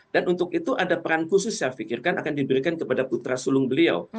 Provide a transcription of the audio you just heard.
dan untuk itu ada peran khusus saya pikirkan akan diberikan kepada putra sulung beliau